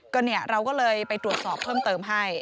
ก็เนี่ยเราก็เลยไปตรวจสอบเพิ่มเติมให้